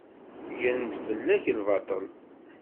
Gren-d fell-ak lbaṭel.